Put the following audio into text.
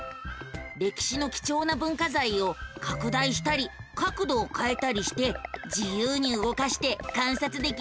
歴史の貴重な文化財を拡大したり角度をかえたりして自由に動かして観察できるのさ。